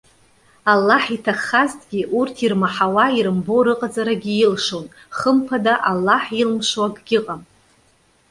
Аллаҳ иҭаххазҭгьы, урҭ ирмаҳауа, ирымбо рыҟаҵарагьы илшон. Хымԥада, Аллаҳ илмшо акагьы ыҟам.